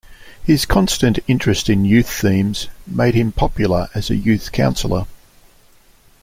His constant interest in youth themes made him popular as a youth counselor.